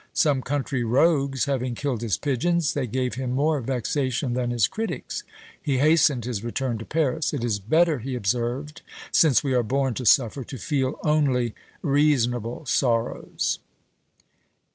Some country rogues having killed his pigeons, they gave him more vexation than his critics. He hastened his return to Paris. "It is better," he observed, "since we are born to suffer, to feel only reasonable sorrows."